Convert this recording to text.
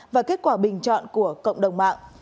và kết quả bình chọn của cộng đồng mạng